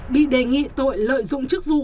bị đề nghị tội lợi dụng chức vụ